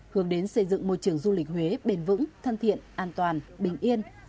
hướng đến xây dựng môi trường du lịch huế bền vững thân thiện an toàn bình yên